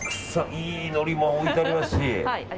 いいのりも置いてありますし。